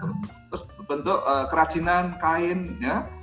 terus bentuk kerajinan kain ya